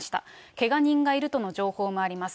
けが人がいるとの情報もあります。